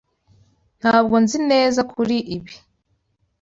Ntabwo nzi neza kuri ibi.